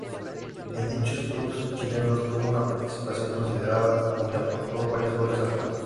En dichos clubes chilenos, tuvo una participación considerada donde aportó varios goles además.